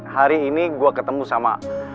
hari ini gue ketemu sama